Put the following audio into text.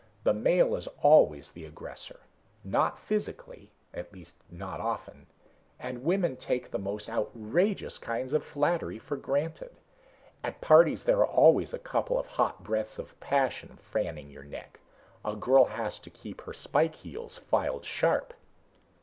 The male is always the aggressor. Not physically at least not often and women take the most outrageous kinds of flattery for granted. At parties there are always a couple of hot breaths of passion fanning your neck. A girl has to keep her spike heels filed sharp."